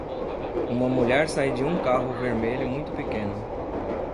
Uma mulher sai de um carro vermelho muito pequeno.